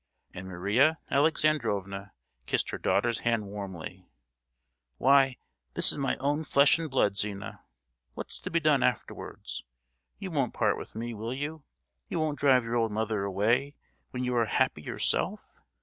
and Maria Alexandrovna kissed her daughter's hand warmly. "Why, this is my own flesh and blood, Zina. What's to be done afterwards? You won't part with me, will you? You won't drive your old mother away when you are happy yourself?